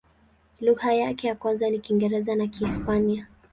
Lugha yake ya kwanza ni Kiingereza na Kihispania.